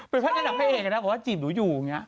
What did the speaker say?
เป็นแผ่นนักแพทย์เองนะบอกว่าจิตดูอยู่